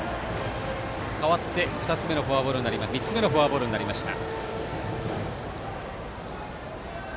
代わって３つ目のフォアボールになりました。